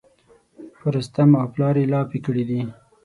په رستم او پلار یې لاپې کړي دي.